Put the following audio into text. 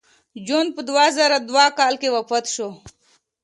جون په دوه زره دوه کال کې وفات شو